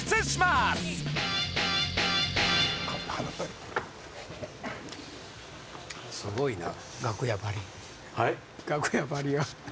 すごいな。